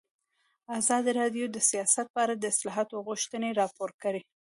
ازادي راډیو د سیاست په اړه د اصلاحاتو غوښتنې راپور کړې.